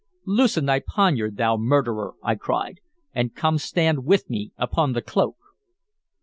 "Loosen thy poniard, thou murderer," I cried, "and come stand with me upon the cloak."